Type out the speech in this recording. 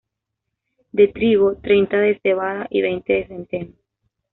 De trigo, treinta de cebada y veinte de centeno.